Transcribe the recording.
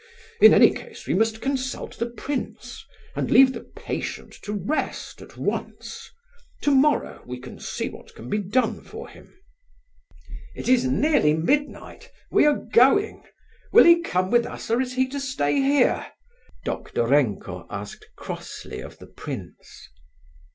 In any case we must consult the prince, and leave the patient to rest at once. Tomorrow we can see what can be done for him." "It is nearly midnight; we are going. Will he come with us, or is he to stay here?" Doktorenko asked crossly of the prince.